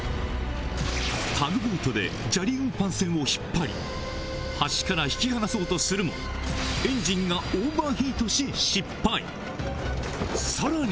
タグボートで砂利運搬船を引っ張り橋から引き離そうとするもエンジンがさらに！